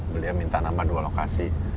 beliau minta nambah dua lokasi